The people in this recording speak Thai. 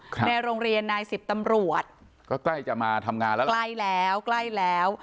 ในโรงเรียนนายสิบตำรวจก็ใกล้จะมาทำงานแล้วล่ะใกล้แล้วใกล้แล้ว